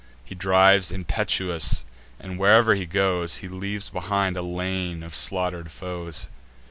He drives impetuous, and, where'er he goes, He leaves behind a lane of slaughter'd foes.